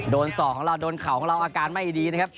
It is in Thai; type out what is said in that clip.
ศอกของเราโดนเข่าของเราอาการไม่ดีนะครับ